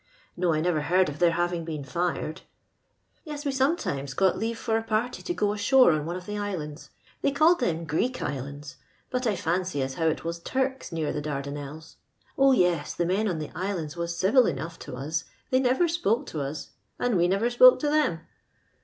No, I nerer heard of their having been fired. Yes, we some times got leave for a party to go a^oie oo one of the islands. They called them Greek islands, but I fancy as how it was Turks near the Dardanelles. O yes, the men on the islands was civil enough to us; they never spoke to us, and we never spoke to them.